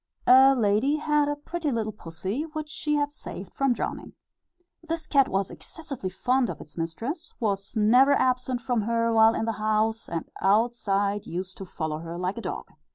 A lady had a pretty little pussy, which she had saved from drowning. This cat was excessively fond of its mistress, was never absent from her while in the house, and outside used to follow her like a dog.